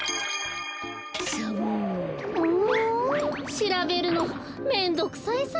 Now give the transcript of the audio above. しらべるのめんどくさいサボ。